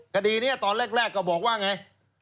คดีนี้ตอนแรกก็บอกว่าไง